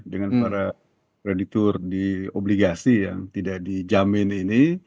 dengan para kreditur di obligasi yang tidak dijamin ini